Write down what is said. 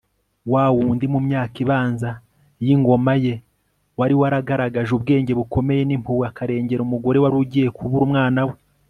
wa wundi mu myaka ibanza y'ingoma ye wari waragaragaje ubwenge bukomeye n'impuhwe akarengera umugore wari ugiye kubura umwana we